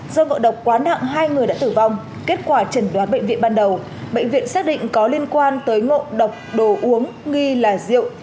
do ngộ độc quá nặng hai người đã tử vong kết quả trần đoán bệnh viện ban đầu bệnh viện xác định có liên quan tới ngộ độc đồ uống nghi là rượu